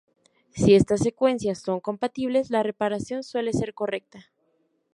Si estas secuencias son compatibles, la reparación suele ser correcta.